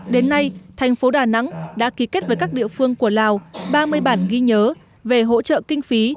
đến nay thành phố đà nẵng đã ký kết với các địa phương của lào ba mươi bản ghi nhớ về hỗ trợ kinh phí